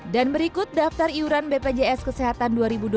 dan berikut daftar iuran bpjs kesehatan dua ribu dua puluh satu